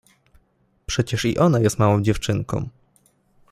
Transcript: — Przecież i ona jest małą dziewczynką.